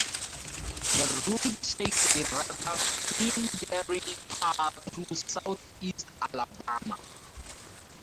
The route takes a rather meandering path through southeast Alabama.